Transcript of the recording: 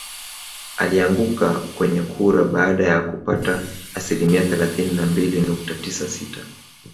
Alianguka kwenye kura baada ya kupata asilimia thelathini na mbili nukta tisa sita